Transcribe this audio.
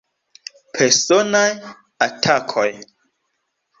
Personaj atakoj.